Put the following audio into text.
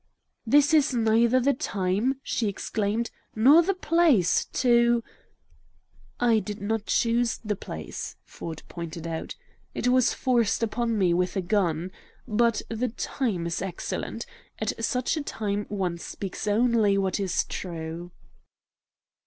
"This is neither the time," she exclaimed, "nor the place to " "I did not choose the place," Ford pointed out. "It was forced upon me with a gun. But the TIME is excellent. At such a time one speaks only what is true."